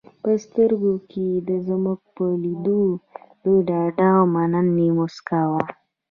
په سترګو کې یې زموږ په لیدو د ډاډ او مننې موسکا وه.